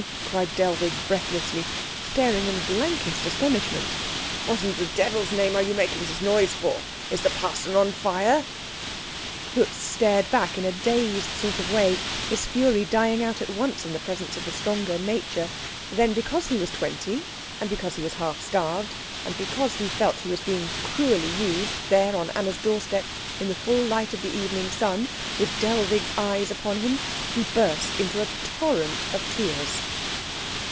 _" cried Dellwig breathlessly, staring in blankest astonishment. "What in the devil's name are you making this noise for? Is the parson on fire?" Klutz stared back in a dazed sort of way, his fury dying out at once in the presence of the stronger nature; then, because he was twenty, and because he was half starved, and because he felt he was being cruelly used, there on Anna's doorstep, in the full light of the evening sun, with Dellwig's eyes upon him, he burst into a torrent of tears.